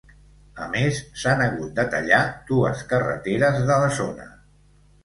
A més, s’han hagut de tallar dues carreteres de la zona.